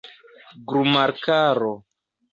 glumarkaro